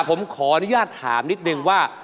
ผมขออนุญาตถามนิดนึงว่า